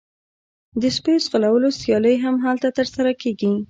د سپیو ځغلولو سیالۍ هم هلته ترسره کیږي